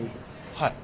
はい。